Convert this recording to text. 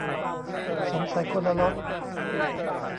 สงสัยคนละล็อต